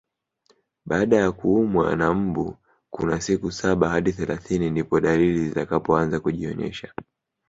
Baada ya kuumwa na mbu kuna siku saba hadi thelathini ndipo dalili zitakapoanza kujionyesha